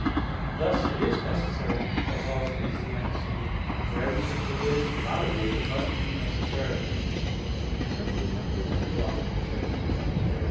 And thus it is necessary, as also is the antecedent: "For everything that is, while it is, must be necessarily be," as the Philosopher says in _Peri Herm.